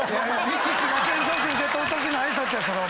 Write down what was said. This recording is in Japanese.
力士が懸賞金受け取る時の挨拶やそれお前。